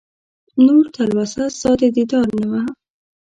نور تلوسه ستا د دیدار نه وه